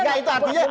ya itu artinya